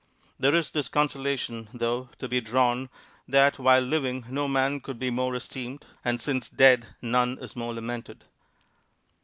There is this consolation, though, to be drawn, that while living no man could be more esteemed, and since dead none is more lamented.